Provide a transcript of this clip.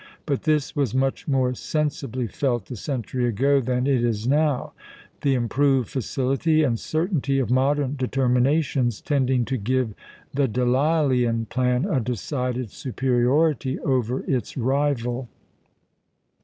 But this was much more sensibly felt a century ago than it is now, the improved facility and certainty of modern determinations tending to give the Delislean plan a decided superiority over its rival.